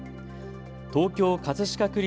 東京葛飾区立